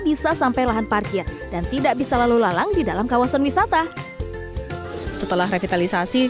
bisa sampai lahan parkir dan tidak bisa lalu lalang di dalam kawasan wisata setelah revitalisasi